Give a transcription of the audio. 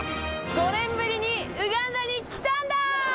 ５年ぶりにウガンダに来たんだ。